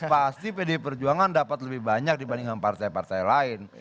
pasti pdi perjuangan dapat lebih banyak dibandingkan partai partai lain